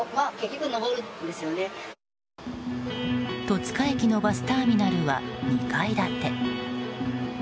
戸塚駅のバスターミナルは２階建て。